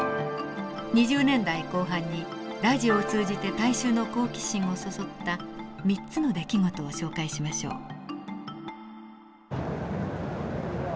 ２０年代後半にラジオを通じて大衆の好奇心をそそった３つの出来事を紹介しましょう。